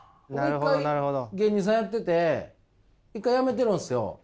一回芸人さんやってて一回辞めてるんですよ。